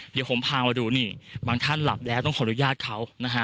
เดี๋ยวผมพามาดูนี่บางท่านหลับแล้วต้องขออนุญาตเขานะฮะ